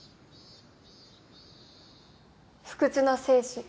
不屈の精神。